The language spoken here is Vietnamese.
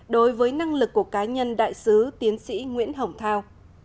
đối với năng lực của cá nhân đại sứ tiến sĩ nguyễn hồng thao